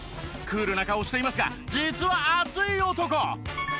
クールな顔をしていますが実は熱い男！